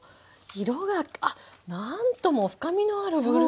色があっ何とも深みのあるブルーに。